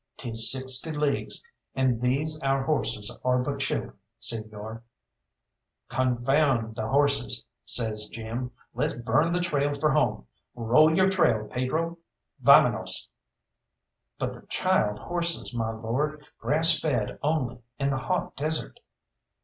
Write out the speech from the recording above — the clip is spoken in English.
"'Tis sixty leagues, and these our horses are but children, señor." "Confound the horses!" says Jim, "let's burn the trail for home. Roll your trail, Pedro! Vamenos!" "But the child horses, my lord, grass fed only, in the hot desert."